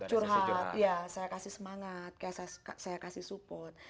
curhat ya saya kasih semangat saya kasih support